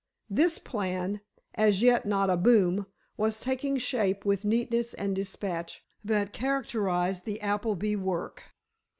This plan, as yet not a boom, was taking shape with the neatness and dispatch that characterized the Appleby work.